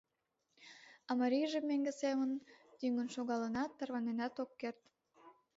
А марийже меҥге семын тӱҥын шогалынат, тарваненат ок керт.